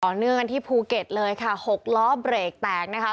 เนื่องกันที่ภูเก็ตเลยค่ะหกล้อเบรกแตกนะคะ